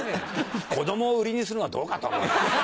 子供を売りにするのはどうかと思う。